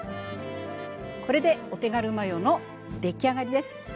これでお手軽マヨのできあがりです。